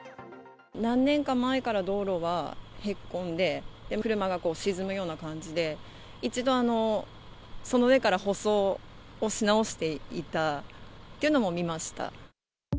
何年か前から道路がへこんで、車が沈むような感じで、一度、その上から舗装をし直していたというのも見ました。